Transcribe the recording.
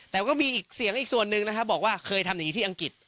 แต่ก็มีอีกเสียงอีกส่วนหนึ่งนะครับบอกว่าเคยทำอย่างนี้ที่อังกฤษ